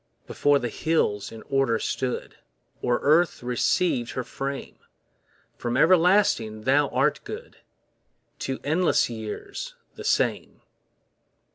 Before the hills in order stood, Or Earth receiv'd her frame, From everlasting Thou art good, To endless years the same.